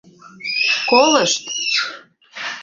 — Колышт!..